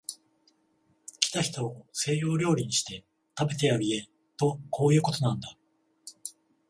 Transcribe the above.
来た人を西洋料理にして、食べてやる家とこういうことなんだ